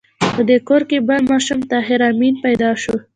په دې کور کې بل ماشوم طاهر آمین پیدا شو